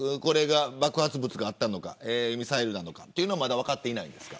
爆発物があったのかミサイルなのかはまだ分かっていないんですか。